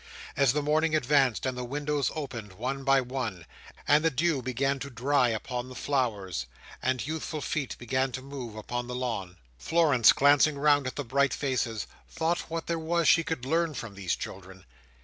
As the morning advanced, and the windows opened one by one, and the dew began to dry upon the flowers and youthful feet began to move upon the lawn, Florence, glancing round at the bright faces, thought what was there she could learn from these children?